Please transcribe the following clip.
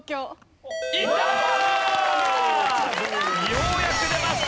ようやく出ました！